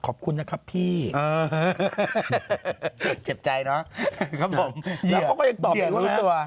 ขอบคุณนะครับพี่เออเจ็บใจเนอะครับผมแล้วก็ก็อีกตอบอีกแล้วนะ